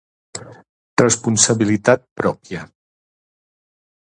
Responsabilitat pròpia.